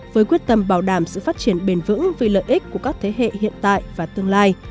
với quyết tâm bảo đảm sự phát triển bền vững vì lợi ích của các thế hệ hiện tại và tương lai